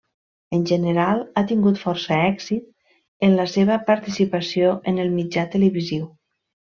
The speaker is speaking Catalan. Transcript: En general, ha tingut força èxit en la seva participació en el mitjà televisiu.